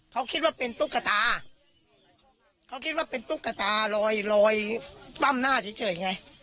เขาคิดว่าเป็นตุ๊กตาเขาคิดว่าเป็นตุ๊กตาลอยลอยปั้มหน้าเฉยไง